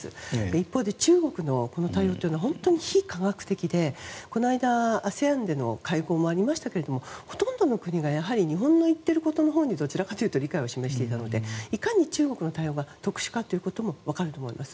一方で中国のこの対応は本当に非科学的でこの間ＡＳＥＡＮでの会合もありましたけれどもほとんどの国が日本の言っていることにどちらかというと理解を示していたのでいかに中国の対応が特殊かということも分かると思います。